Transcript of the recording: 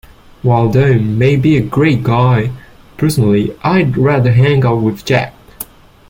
While Dom may be a great guy, personally I'd rather hang out with Jack.